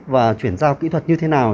và chuyển giao kỹ thuật như thế nào